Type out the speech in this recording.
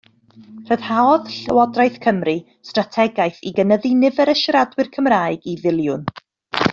Rhyddhaodd Llywodraeth Cymru strategaeth i gynyddu nifer y siaradwyr Cymraeg i filiwn.